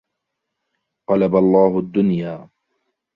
قَلَبَ اللَّهُ الدُّنْيَا